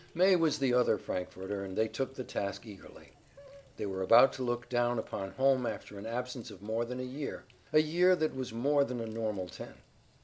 May was the other Frankforter and they took the task eagerly. They were about to look down upon home after an absence of more than a year, a year that was more than a normal ten.